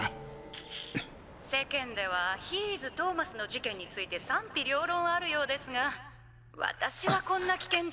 「世間ではヒーイズトーマスの事件について賛否両論あるようですが私はこんな危険人物にッ！